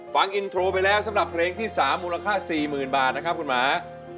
ฟังอินโทรไปแล้วสำหรับเพลงที่๓มูลค่า๔๐๐๐บาทนะครับคุณหมา